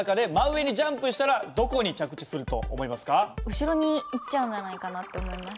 後ろに行っちゃうんじゃないかなって思います。